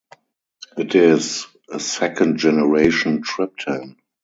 It is a second-generation triptan.